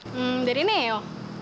hmm dari neo